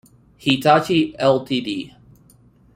Hitachi, Ltd.